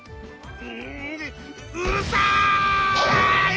ううるさい！